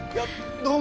どうも。